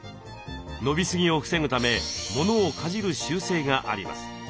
伸びすぎを防ぐため物をかじる習性があります。